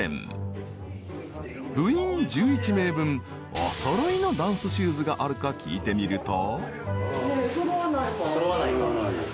［部員１１名分お揃いのダンスシューズがあるか聞いてみると］